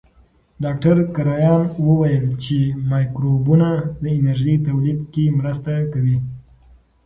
ډاکټر کرایان وویل چې مایکروبونه د انرژۍ تولید کې مرسته کوي.